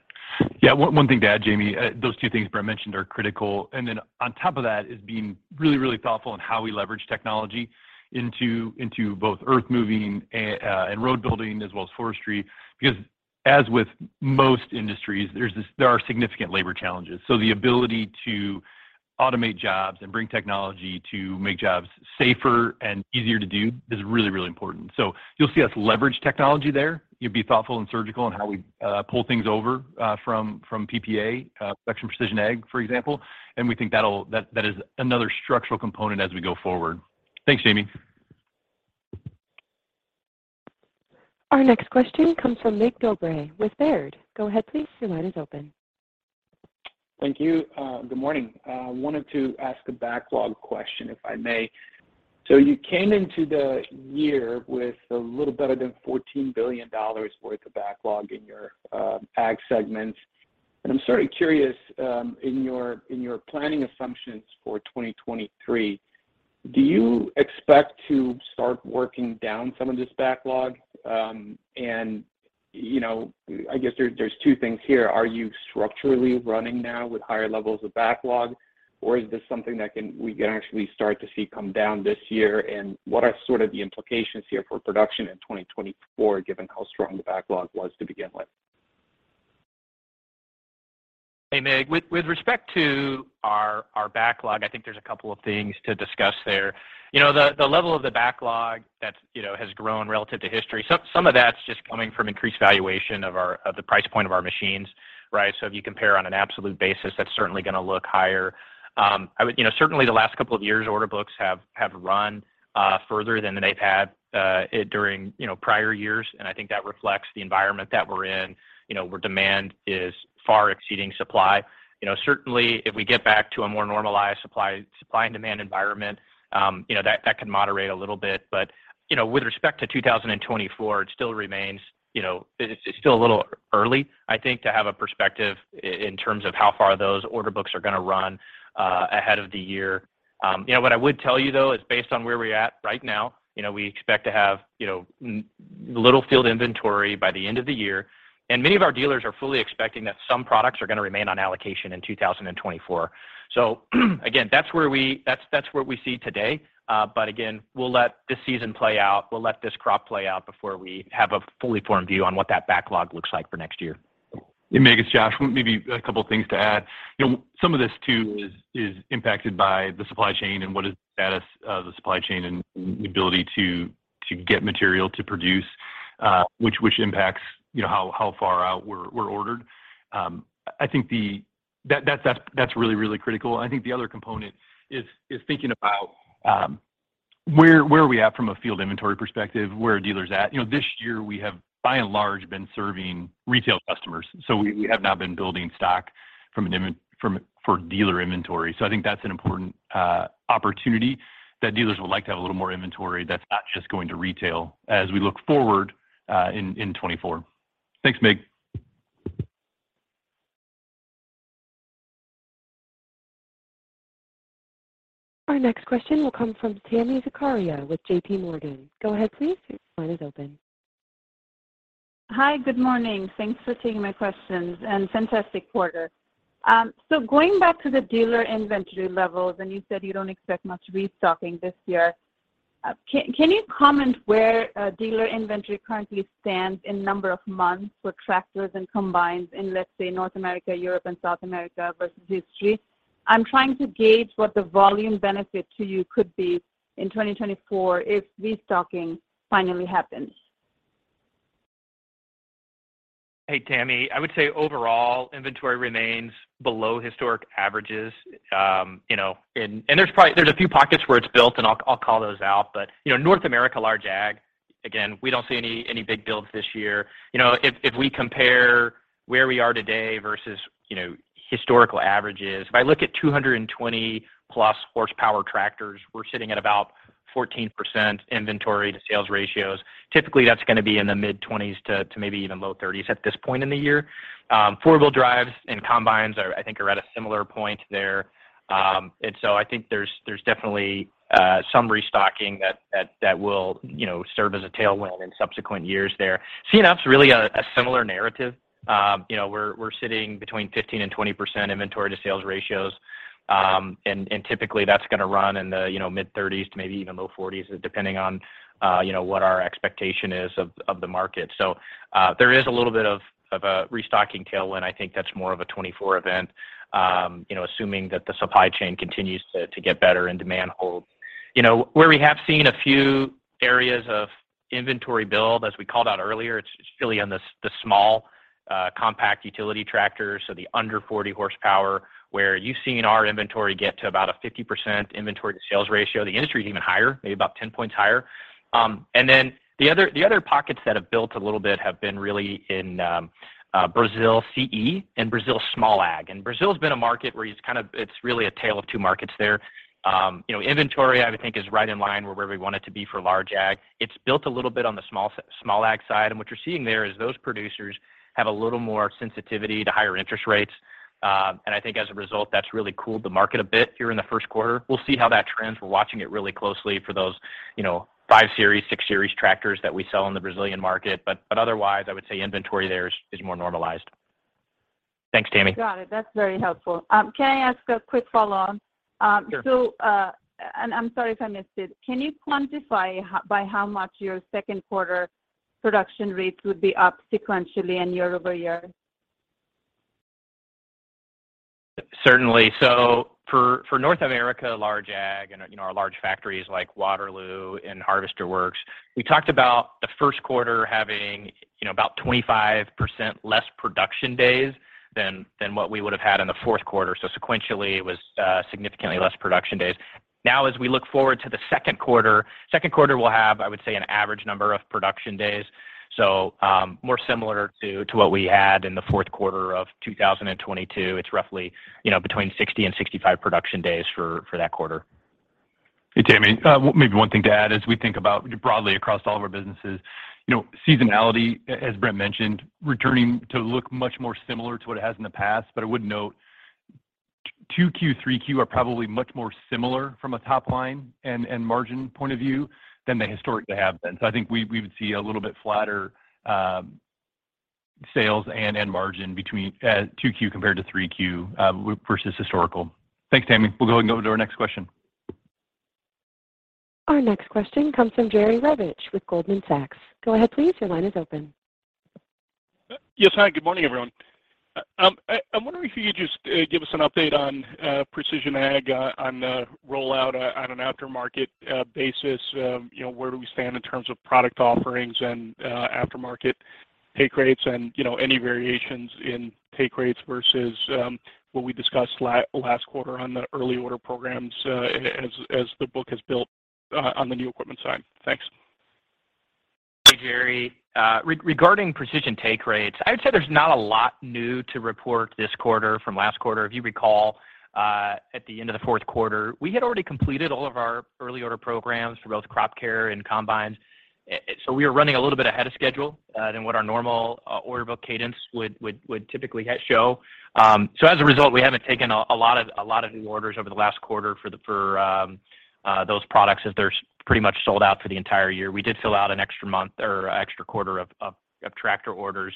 One thing to add, Jamie. Those two things Brent mentioned are critical. Then on top of that is being really, really thoughtful in how we leverage technology into both earthmoving and road building as well as forestry. As with most industries, there are significant labor challenges. The ability to automate jobs and bring technology to make jobs safer and easier to do is really, really important. You'll see us leverage technology there. You'll be thoughtful and surgical in how we pull things over from PPA, Section Precision Ag, for example. We think that is another structural component as we go forward. Thanks, Jamie. Our next question comes from Mircea Dobre with Baird. Go ahead, please. Your line is open. Thank you. Good morning. wanted to ask a backlog question, if I may. You came into the year with a little better than $14 billion worth of backlog in your ag segment. I'm sort of curious, in your planning assumptions for 2023, do you expect to start working down some of this backlog? You know, I guess there's two things here. Are you structurally running now with higher levels of backlog, or is this something that we can actually start to see come down this year? What are sort of the implications here for production in 2024, given how strong the backlog was to begin with? Hey, Mig. With respect to our backlog, I think there's a couple of things to discuss there. You know, the level of the backlog that's has grown relative to history, some of that's just coming from increased valuation of the price point of our machines, right? If you compare on an absolute basis, that's certainly gonna look higher. You know, certainly the last couple of years, order books have run further than they've had during prior years. I think that reflects the environment that we're in, where demand is far exceeding supply. You know, certainly if we get back to a more normalized supply and demand environment, that can moderate a little bit. You know, with respect to 2024, it still remains, you know. It's still a little early, I think, to have a perspective in terms of how far those order books are gonna run ahead of the year. You know, what I would tell you, though, is based on where we're at right now, you know, we expect to have little field inventory by the end of the year. Many of our dealers are fully expecting that some products are gonna remain on allocation in 2024. Again, that's where we see today. Again, we'll let this season play out. We'll let this crop play out before we have a fully formed view on what that backlog looks like for next year. Hey, Mig, it's Joshua. Maybe a couple of things to add. You know, some of this too is impacted by the supply chain and what is the status of the supply chain and the ability to get material to produce, which impacts, you know, how far out we're ordered. I think that's really critical. I think the other component is thinking about where are we at from a field inventory perspective? Where are dealers at? You know, this year we have, by and large, been serving retail customers. We have not been building stock for dealer inventory. I think that's an important opportunity that dealers would like to have a little more inventory that's not just going to retail as we look forward in 2024. Thanks, Mig. Our next question will come from Tami Zakaria with JPMorgan. Go ahead, please. Your line is open. Hi. Good morning. Thanks for taking my questions. Fantastic quarter. Going back to the dealer inventory levels, you said you don't expect much restocking this year. Can you comment where dealer inventory currently stands in number of months for tractors and combines in, let's say, North America, Europe, and South America versus history? I'm trying to gauge what the volume benefit to you could be in 2024 if restocking finally happens. Hey, Tami. I would say overall, inventory remains below historic averages, you know. There's a few pockets where it's built, and I'll call those out. You know, North America, large ag, again, we don't see any big builds this year. You know, if we compare where we are today versus, you know, historical averages. If I look at 220 plus horsepower tractors, we're sitting at about 14% inventory-to-sales ratios. Typically, that's gonna be in the mid-20s to maybe even low 30s at this point in the year. Four-wheel drives and combines I think are at a similar point there. I think there's definitely some restocking that will, you know, serve as a tailwind in subsequent years there. C&F's really a similar narrative. You know, we're sitting between 15% and 20% inventory-to-sales ratios. Typically that's gonna run in the, you know, mid-30s to maybe even low 40s depending on, you know, what our expectation is of the market. There is a little bit of a restocking tailwind. I think that's more of a 2024 event, you know, assuming that the supply chain continues to get better and demand holds. You know, where we have seen a few areas of inventory build, as we called out earlier, it's really on the small compact utility tractors. The under 40 horsepower, where you've seen our inventory get to about a 50% inventory-to-sales ratio. The industry is even higher, maybe about 10 points higher. The other, the other pockets that have built a little bit have been really in Brazil C&F and Brazil Small Ag. Brazil's been a market where it's really a tale of two markets there. You know, inventory, I would think, is right in line where we want it to be for Large Ag. It's built a little bit on the Small Ag side. What you're seeing there is those producers have a little more sensitivity to higher interest rates. I think as a result, that's really cooled the market a bit here in the first quarter. We'll see how that trends. We're watching it really closely for those, you know, five series, six series tractors that we sell in the Brazilian market. Otherwise, I would say inventory there is more normalized. Thanks, Tami. Got it. That's very helpful. Can I ask a quick follow on? Sure. I'm sorry if I missed it. Can you quantify by how much your second quarter production rates would be up sequentially and year-over-year? Certainly. For North America large ag and, you know, our large factories like Waterloo and Harvester Works, we talked about the first quarter having, you know, about 25% less production days than what we would have had in the fourth quarter. Sequentially, it was significantly less production days. Now, as we look forward to the second quarter, second quarter will have, I would say, an average number of production days. More similar to what we had in the fourth quarter of 2022. It's roughly, you know, between 60 and 65 production days for that quarter. Hey, Tami. maybe one thing to add, as we think about broadly across all of our businesses, you know, seasonality, as Brent mentioned, returning to look much more similar to what it has in the past. I would note 2Q, 3Q are probably much more similar from a top line and margin point of view than they historically have been. I think we would see a little bit flatter, sales and margin between 2Q compared to 3Q, versus historical. Thanks, Tami. We'll go to our next question. Our next question comes from Jerry Revich with Goldman Sachs. Go ahead please. Your line is open. Yes. Hi, good morning, everyone. I'm wondering if you could just give us an update on Precision Ag, on the rollout on an aftermarket basis. You know, where do we stand in terms of product offerings and aftermarket take rates and, you know, any variations in take rates versus what we discussed last quarter on the Early Order Programs, as the book has built on the new equipment side? Thanks. Hey, Jerry. Regarding precision take rates, I'd say there's not a lot new to report this quarter from last quarter. If you recall, at the end of the fourth quarter, we had already completed all of our Early Order Programs for both crop care and combines. We are running a little bit ahead of schedule than what our normal order book cadence would typically show. As a result, we haven't taken a lot of new orders over the last quarter for those products as they're pretty much sold out for the entire year. We did fill out an extra month or extra quarter of tractor orders.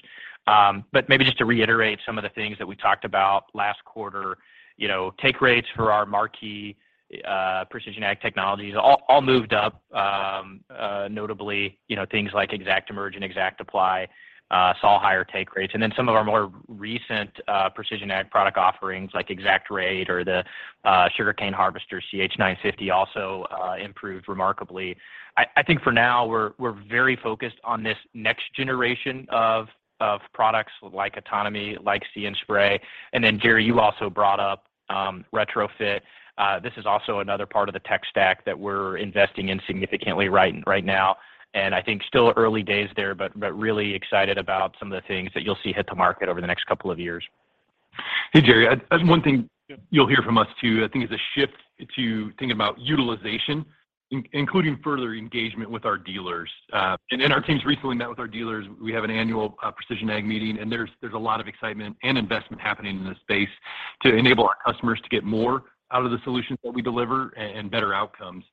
Maybe just to reiterate some of the things that we talked about last quarter. You know, take rates for our marquee Precision Ag technologies all moved up. Notably, you know, things like ExactEmerge and ExactApply saw higher take rates. Some of our more recent Precision Ag product offerings like ExactRate or the Sugarcane Harvester CH950 also improved remarkably. I think for now, we're very focused on this next generation of products like autonomy, like See & Spray. Jerry, you also brought up retrofit. This is also another part of the tech stack that we're investing in significantly right now. I think still early days there, but really excited about some of the things that you'll see hit the market over the next couple of years. Hey, Jerry. As one thing you'll hear from us, too, I think is a shift to think about utilization, including further engagement with our dealers. Our teams recently met with our dealers. We have an annual precision ag meeting, and there's a lot of excitement and investment happening in this space to enable our customers to get more out of the solutions that we deliver and better outcomes.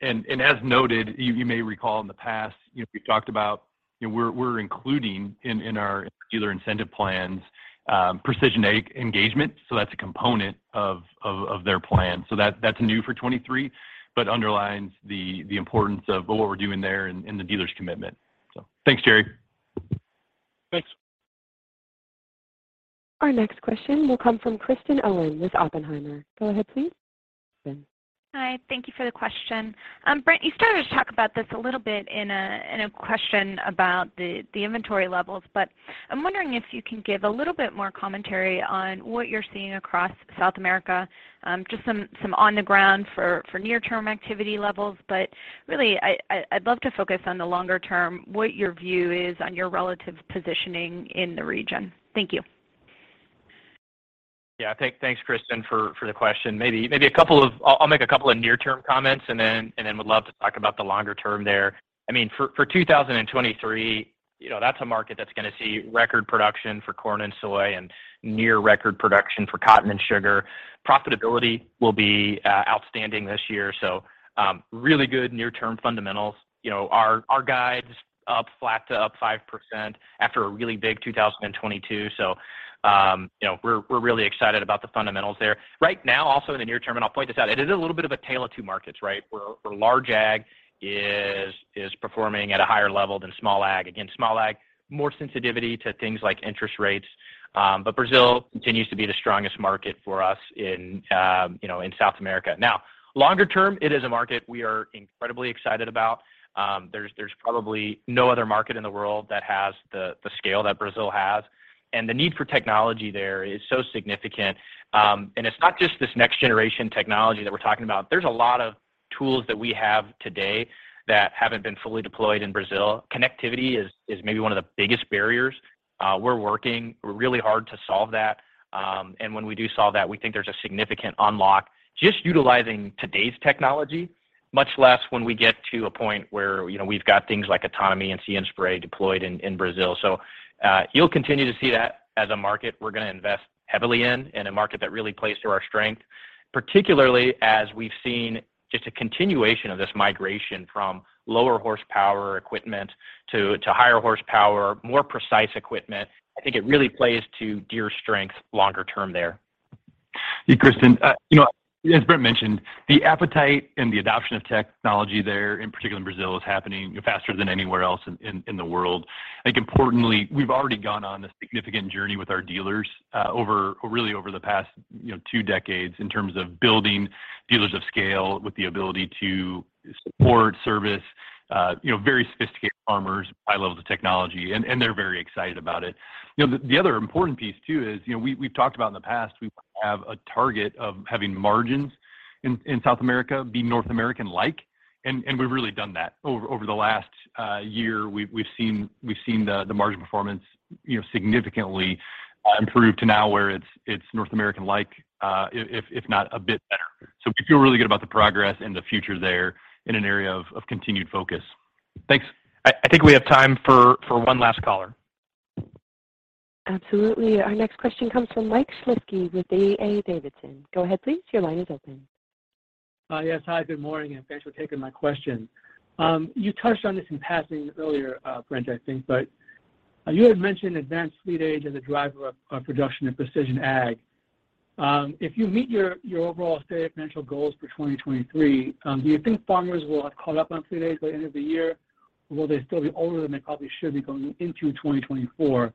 As noted, you may recall in the past, you know, we've talked about, you know, we're including in our dealer incentive plans, precision ag engagement. That's a component of their plan. That's new for 2023, but underlines the importance of what we're doing there and the dealers' commitment. Thanks, Jerry. Thanks. Our next question will come from Kristen Owen with Oppenheimer. Go ahead, please, Kristen. Hi. Thank you for the question. Brent, you started to talk about this a little bit in a question about the inventory levels, but I'm wondering if you can give a little bit more commentary on what you're seeing across South America, just some on the ground for near-term activity levels. Really, I'd love to focus on the longer term, what your view is on your relative positioning in the region. Thank you. Thanks, Kristen, for the question. I'll make a couple of near-term comments and then would love to talk about the longer term there. I mean for 2023, you know, that's a market that's going to see record production for corn and soy and near record production for cotton and sugar. Profitability will be outstanding this year, really good near-term fundamentals. You know, our guide's up flat to up 5% after a really big 2022. You know, we're really excited about the fundamentals there. Right now, also in the near term, I'll point this out, it is a little bit of a tale of two markets, right? Where large ag is performing at a higher level than small ag. Again, Small Ag, more sensitivity to things like interest rates. Brazil continues to be the strongest market for us in, you know, in South America. Longer term, it is a market we are incredibly excited about. There's probably no other market in the world that has the scale that Brazil has. The need for technology there is so significant. It's not just this next generation technology that we're talking about. There's a lot of tools that we have today that haven't been fully deployed in Brazil. Connectivity is maybe one of the biggest barriers. We're working really hard to solve that. When we do solve that, we think there's a significant unlock just utilizing today's technology, much less when we get to a point where, you know, we've got things like autonomy and See & Spray deployed in Brazil. You'll continue to see that as a market we're gonna invest heavily in and a market that really plays to our strength, particularly as we've seen just a continuation of this migration from lower horsepower equipment to higher horsepower, more precise equipment. I think it really plays to Deere's strength longer term there. Yeah, Kristen, you know, as Brent mentioned, the appetite and the adoption of technology there, in particular in Brazil, is happening faster than anywhere else in the world. I think importantly, we've already gone on a significant journey with our dealers, really over the past, you know, two decades in terms of building dealers of scale with the ability to support, service, you know, very sophisticated farmers by level of technology, and they're very excited about it. You know, the other important piece too is, you know, we've talked about in the past, we have a target of having margins in South America be North American like, and we've really done that. Over the last year, we've seen the margin performance, you know, significantly improve to now where it's North American like, if not a bit better. We feel really good about the progress and the future there in an area of continued focus. Thanks. I think we have time for one last caller. Absolutely. Our next question comes from Mike Shlisky with D.A. Davidson. Go ahead please. Your line is open. Yes. Hi, good morning, and thanks for taking my question. You touched on this in passing earlier, Brent, I think. You had mentioned advanced fleet age as a driver of Production and Precision Ag. If you meet your overall stated financial goals for 2023, do you think farmers will have caught up on fleet age by the end of the year, or will they still be older than they probably should be going into 2024?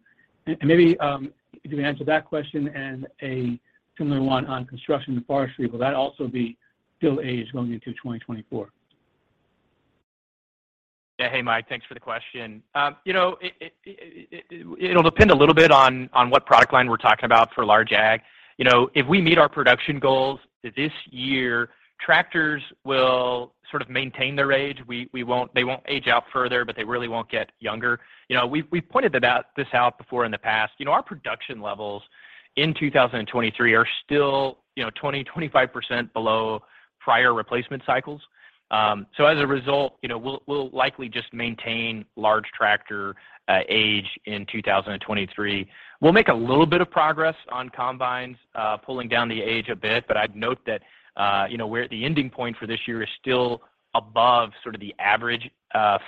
Maybe, if you can answer that question and a similar one on Construction and Forestry. Will that also be still age going into 2024? Yeah. Hey, Mike. Thanks for the question. You know, it'll depend a little bit on what product line we're talking about for large ag. You know, if we meet our production goals this year, tractors will sort of maintain their age. They won't age out further, but they really won't get younger. You know, we've pointed that out, this out before in the past. You know, our production levels in 2023 are still, you know, 20%-25% below prior replacement cycles. As a result, you know, we'll likely just maintain large tractor age in 2023. We'll make a little bit of progress on combines, pulling down the age a bit, but I'd note that, you know, we're at the ending point for this year is still above sort of the average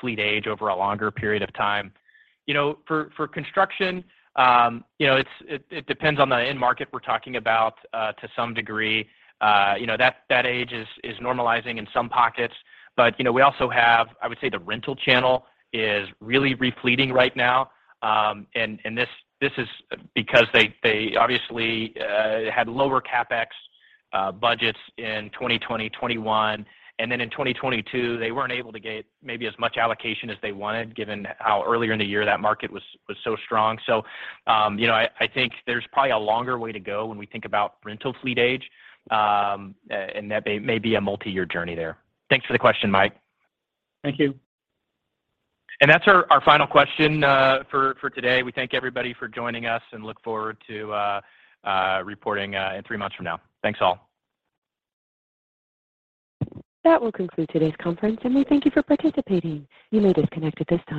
fleet age over a longer period of time. You know, for construction, you know, it's, it depends on the end market we're talking about to some degree. You know, that age is normalizing in some pockets. You know, we also have, I would say the rental channel is really re-fleeting right now. This, this is because they obviously had lower CapEx budgets in 2020, 2021. In 2022, they weren't able to get maybe as much allocation as they wanted given how earlier in the year that market was so strong. you know, I think there's probably a longer way to go when we think about rental fleet age, and that may be a multi-year journey there. Thanks for the question, Mike. Thank you. That's our final question for today. We thank everybody for joining us and look forward to reporting in three months from now. Thanks, all. That will conclude today's conference, and we thank you for participating. You may disconnect at this time.